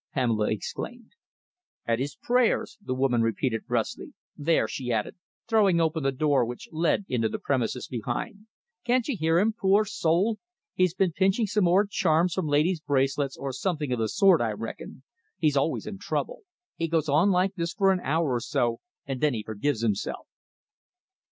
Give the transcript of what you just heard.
Pamela exclaimed. "At his prayers," the woman repeated brusquely. "There," she added, throwing open the door which led into the premises behind, "can't you hear him, poor soul? He's been pinching some more charms from ladies' bracelets, or something of the sort, I reckon. He's always in trouble. He goes on like this for an hour or so and then he forgives himself."